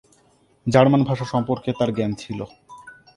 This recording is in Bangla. জার্মান ভাষা সম্পর্কে তার জ্ঞান ছিল।